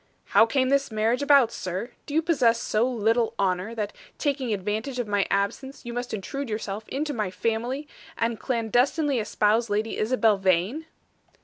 "How came this marriage about, sir? Do you possess so little honor, that, taking advantage of my absence, you must intrude yourself into my family, and clandestinely espouse Lady Isabel Vane?"